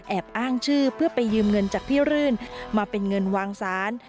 อ้างชื่อเพื่อไปยืมเงินจากพี่รื่นมาเป็นเงินวางสาร